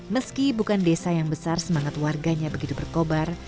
meski bukan desa yang besar semangat warganya begitu berkobar